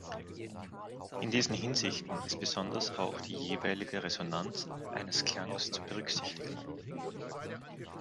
In diesen Hinsichten ist besonders auch die jeweilige Resonanz eines Klangs zu berücksichtigen.